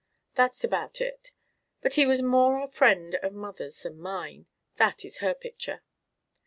"That's about it. But he was more a friend of mother's than mine. That is her picture."